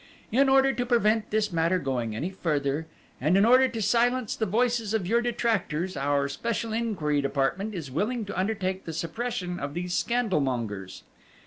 "In order to prevent this matter going any further, and in order to silence the voices of your detractors, our special inquiry department is willing to undertake the suppression of these scandal mongers.